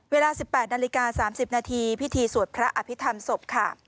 เวลา๑๘น๓๐นพิธีสวดพระอภิษฐรมศพ